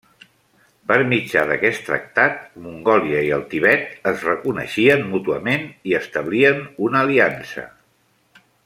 Per mitjà d'aquest tractat, Mongòlia i el Tibet es reconeixien mútuament i establien una aliança.